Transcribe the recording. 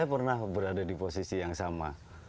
saya pernah berada di posisi yang sama